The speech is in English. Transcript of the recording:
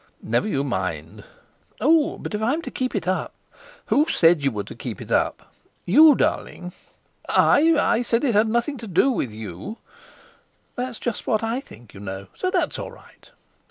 "Never you mind." "Oh! But if I'm to keep it up?" "Who said you were to keep it up?" "You, darling." "I? I said it had nothing to do with you." "Just what I think, you know; so that's all right."